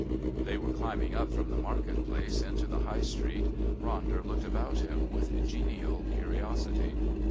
They were climbing up from the market place into the High Street. Ronder looked about him with genial curiosity.